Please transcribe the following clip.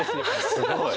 すごい。